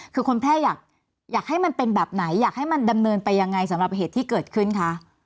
คือคนแพร่อยากให้มันเป็นแบบไหนอยากให้มันดำเนินไปยังไงสำหรับเหตุที่เกิดขึ้นคะ